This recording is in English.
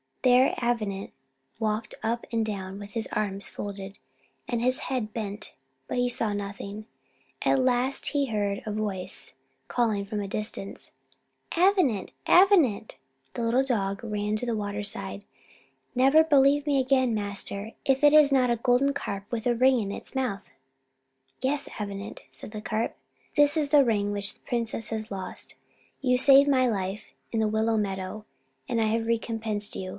There Avenant walked up and down, with his arms folded and his head bent, but saw nothing. At last he heard a voice, calling from a distance, "Avenant, Avenant!" The little dog ran to the water side "Never believe me again, master, if it is not a golden carp with a ring in its mouth!" "Yes, Avenant," said the carp, "this is the ring which the princess has lost. You saved my life in the willow meadow, and I have recompensed you.